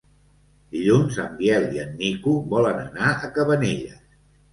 Dilluns en Biel i en Nico volen anar a Cabanelles.